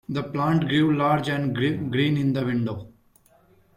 The plant grew large and green in the window.